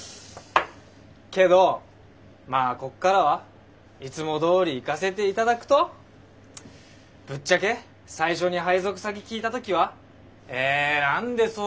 けどまあこっからはいつもどおりいかせて頂くとぶっちゃけ最初に配属先聞いた時は「え何で総務？